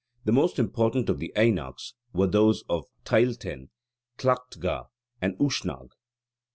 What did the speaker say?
The most important of the Aenachs were those of Tailltenn, Tlachtga, and Ushnagh.